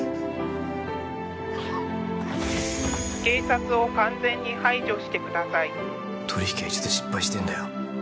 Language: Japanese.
警察を完全に排除してください取り引きは一度失敗してんだよ